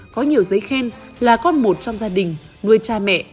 có nhiều giấy khen là con một trong gia đình nuôi cha mẹ